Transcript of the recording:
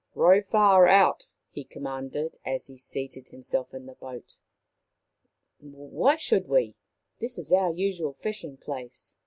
" Row far out !" he com manded as he seated himself in the boat. " Why should we ? This is our usual fishing place."